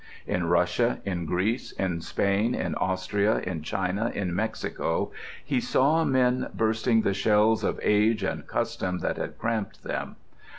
In Russia, in Greece, in Spain, in Austria, in China, in Mexico, he saw men bursting the shells of age and custom that had cramped them.